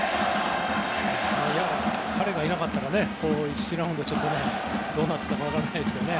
彼がいなかったら１次ラウンドどうなってたか分からないですね。